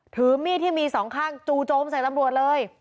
ถือมีดที่มีสองข้างจูโจมใส่ตำรวจเลย